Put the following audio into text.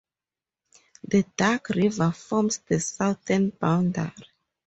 The Duck River forms the southern boundary.